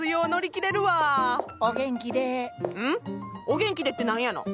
「お元気で」って何やの？